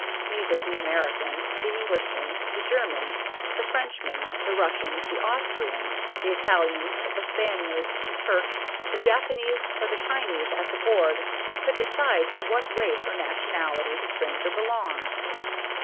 Neither the Americans, the Englishmen, the Germans, the Frenchmen, the Russians, the Austrians, the Italians, the Spaniards, the Turks, the Japanese, or the Chinese at the board could decide to what race or nationality the stranger belonged.